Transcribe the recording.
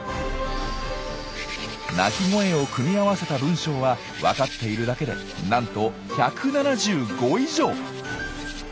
鳴き声を組み合わせた文章は分かっているだけでなんと１７５以上！